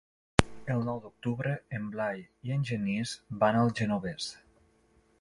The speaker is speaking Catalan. El nou d'octubre en Blai i en Genís van al Genovés.